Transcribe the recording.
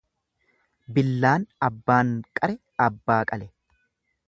Billaan abbaan qare abbaa qale.